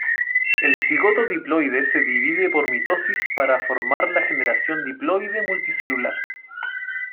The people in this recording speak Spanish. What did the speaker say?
El cigoto diploide se divide por mitosis para formar la generación diploide multicelular.